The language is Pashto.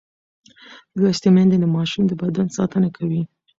لوستې میندې د ماشوم د بدن ساتنه کوي.